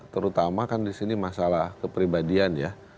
terutama kan di sini masalah kepribadian ya